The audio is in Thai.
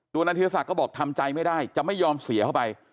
นายธีรศักดิ์ก็บอกทำใจไม่ได้จะไม่ยอมเสียเข้าไป